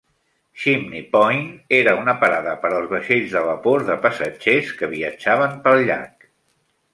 Chimney Point era una parada per als vaixells de vapor de passatgers que viatjaven pel llac.